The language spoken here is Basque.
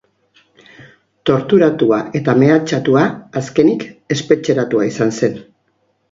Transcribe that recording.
Torturatua eta mehatxatua, azkenik, espetxeratua izan zen.